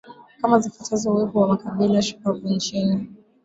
kama zifuatazo Uwepo wa makabila shupavu nchini